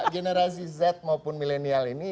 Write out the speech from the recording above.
generasi z maupun milenial ini